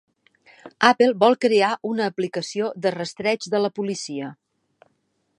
Apple vol crear una aplicació de rastreig de la policia